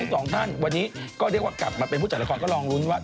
สองท่านวันนี้ก็เรียกว่ากลับมาเป็นผู้จัดละครก็ลองรุ้นว่า